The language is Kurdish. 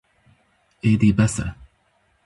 êdî bes e